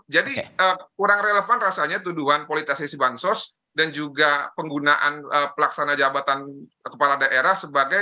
jadi kurang relevan rasanya tuduhan politik asesi bansos dan juga penggunaan pelaksana jabatan kepala daerah sebagai insuransi